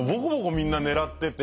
みんな狙ってて。